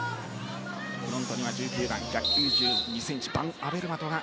フロントには１９番、１９２ｃｍバンアベルマトが